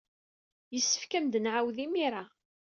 Yessefk ad am-d-nɛawed imir-a.